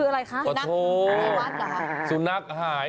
สุนัขหายหวัดเหรอครับประโทษสุนัขหาย